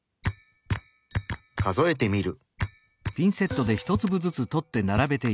数えてみる。